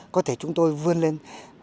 có thể chúng tôi vươn lên